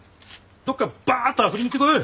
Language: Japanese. どっかバーッと遊びに行ってこい。